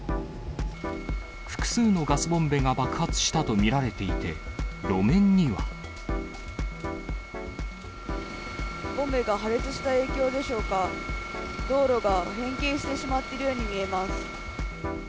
複数のガスボンベが爆発したと見られていて、路面には。ボンベが破裂した影響でしょうか、道路が変形してしまっているように見えます。